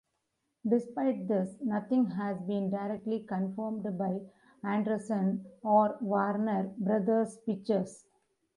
Despite this, nothing has been directly confirmed by Anderson or Warner Brothers Pictures.